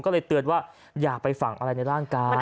ก็เลยเตือนว่าอย่าไปฝั่งอะไรในร่างกาย